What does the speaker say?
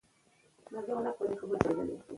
دریابونه د افغان ماشومانو د زده کړې موضوع ده.